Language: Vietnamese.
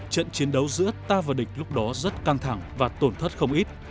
trận chiến đấu giữa ta và địch lúc đó rất căng thẳng và tổn thất không ít